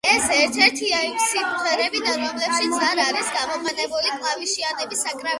ეს ერთ-ერთია იმ სიმღერებიდან, რომლებშიც არ არის გამოყენებული კლავიშებიანი საკრავები.